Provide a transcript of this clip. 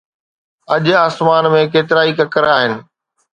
اڄ آسمان ۾ ڪيترائي ڪڪر آهن.